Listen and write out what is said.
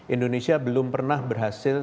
indonesia belum pernah berhasil